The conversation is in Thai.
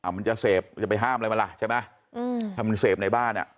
มันจะเสพจะไปห้ามอะไรมันล่ะใช่ไหมถ้ามันเสพในบ้านอ่ะ